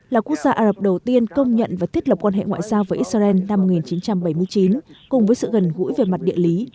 là quốc gia ả rập đầu tiên công nhận và thiết lập quan hệ ngoại giao với israel năm một nghìn chín trăm bảy mươi chín cùng với sự gần gũi về mặt địa lý